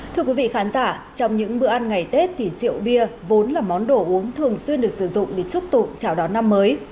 thưa quý vị khán giả trong những bữa ăn ngày tết thì rượu bia vốn là món đồ uống thường xuyên được sử dụng để chúc tụng chào đón năm mới